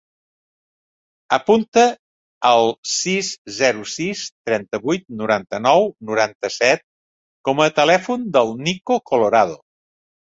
Apunta el sis, zero, sis, trenta-vuit, noranta-nou, noranta-set com a telèfon del Nico Colorado.